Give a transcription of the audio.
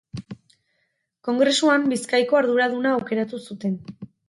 Kongresuan Bizkaiko arduraduna aukeratu zuten.